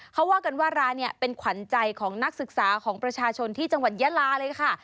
เขาว่ากันว่าร้านนี้เป็นขวัญใจของนักศึกษาของประชาชนที่จังหวัดยาลาเลยค่ะ